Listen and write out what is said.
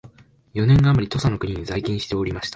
四年あまり土佐の国に在勤しておりました